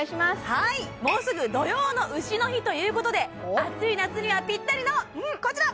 はいもうすぐ土用の丑の日ということで暑い夏にはぴったりのこちら！